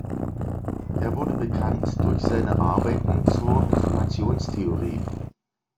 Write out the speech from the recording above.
Er wurde bekannt durch seine Arbeiten zur Informationstheorie.